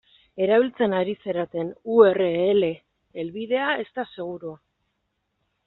Erabiltzen ari zareten u erre ele helbidea ez da segurua.